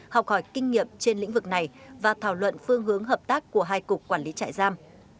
học hỏi kinh nghiệm trên lĩnh vực này và thảo luận phương hướng hợp tác của hai cục quản lý trại giam